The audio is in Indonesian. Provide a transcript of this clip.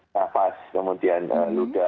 nafas kemudian luda